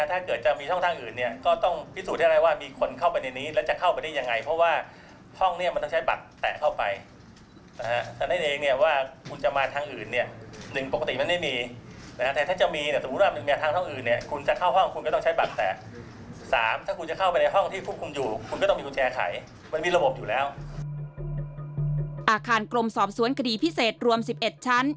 อาคารกรมสอบสวนคดีพิเศษรวม๑๑ชั้น